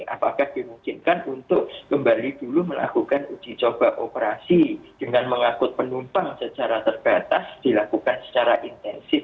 apakah dimungkinkan untuk kembali dulu melakukan uji coba operasi dengan mengangkut penumpang secara terbatas dilakukan secara intensif